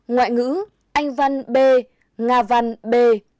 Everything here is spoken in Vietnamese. ngoại ngữ anh văn b nga văn b